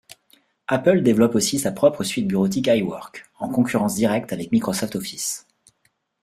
Apple développe aussi sa propre suite bureautique iWork, en concurrence directe avec Microsoft Office.